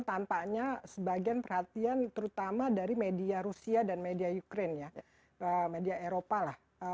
tampaknya sebagian perhatian terutama dari media rusia dan media ukraine ya media eropa lah